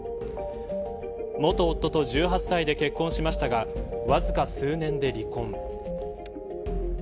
元夫と１８歳で結婚しましたがわずか数年で離婚。